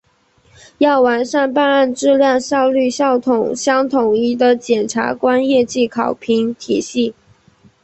要完善办案质量、效率、效果相统一的检察官业绩考评体系